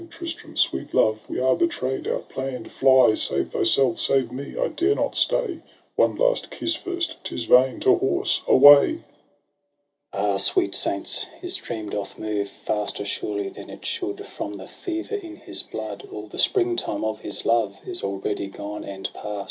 — Tristram !— sweet love I — we are betray d — out planrHd. Fly — save thyself — save me! —/ dare not stay! — One last kiss first! — "7z!? vain — to horse — away!' * Ah! sweet saints, his dream doth move Faster surely than it should, From the fever in his blood ! All the spring time of his love Is already gone and past.